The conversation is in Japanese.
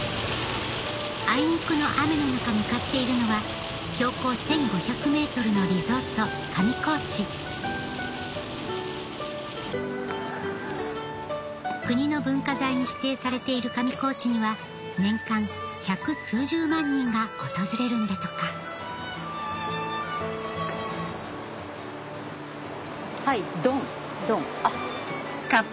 あいにくの雨の中向かっているのは標高１５００ｍのリゾート上高地国の文化財に指定されている上高地には年間百数十万人が訪れるんだとかはいドンあっ。